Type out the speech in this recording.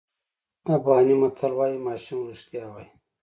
افغاني متل وایي ماشوم رښتیا وایي.